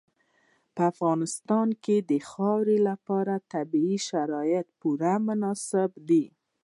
په افغانستان کې د خاورې لپاره طبیعي شرایط پوره مناسب دي.